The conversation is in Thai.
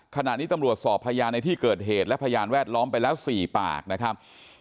ขณะนี้ตำรวจสอบพยานในที่เกิดเหตุและพยานแวดล้อมไปแล้ว๔ปากนะครับ